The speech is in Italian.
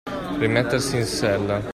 Rimettersi in sella.